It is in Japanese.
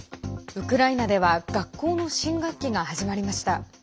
ウクライナでは学校の新学期が始まりました。